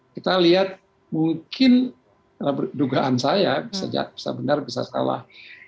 kita lihat mungkin dugaan saya bisa benar bisa salah